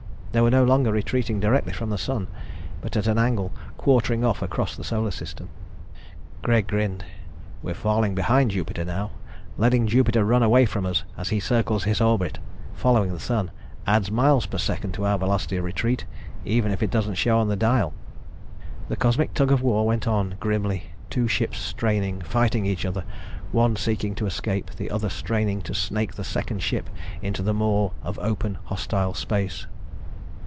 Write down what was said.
They were no longer retreating directly from the Sun, but at an angle quartering off across the Solar System. Greg grinned. "We're falling behind Jupiter now. Letting Jupiter run away from us as he circles his orbit, following the Sun. Adds miles per second to our velocity of retreat, even if it doesn't show on the dial." The cosmic tug of war went on, grimly two ships straining, fighting each other, one seeking to escape, the other straining to snake the second ship into the maw of open, hostile space.